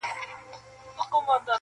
د هر وګړي زړه ټکور وو اوس به وي او کنه.!